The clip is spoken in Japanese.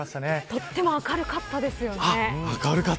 とっても明かるかったですよね。